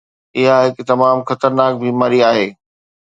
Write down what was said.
اها هڪ تمام خطرناڪ بيماري آهي.